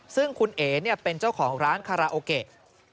ซึ่งคุณเอ๋เป็นเจ้าของร้านคาราโอเกะ